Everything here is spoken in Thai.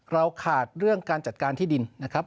เราขาดเรื่องการจัดการที่ดินนะครับ